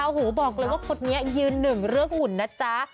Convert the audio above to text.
อ่าโหบอกเลยว่าคนเนี่ยยืน๑เลือดหุ่นนะจ๊ะ